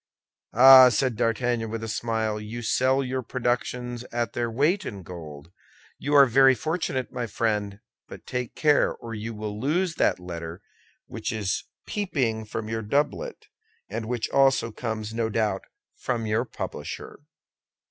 "Ah!" said D'Artagnan with a smile, "you sell your productions at their weight in gold. You are very fortunate, my friend; but take care or you will lose that letter which is peeping from your doublet, and which also comes, no doubt, from your publisher."